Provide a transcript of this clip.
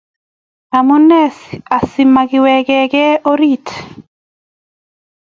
Amune asi magiwegen orit?